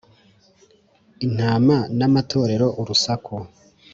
intama n'amatorero urusaku